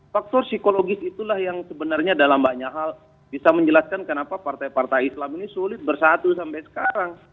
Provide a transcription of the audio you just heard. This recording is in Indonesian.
faktor psikologis itulah yang sebenarnya dalam banyak hal bisa menjelaskan kenapa partai partai islam ini sulit bersatu sampai sekarang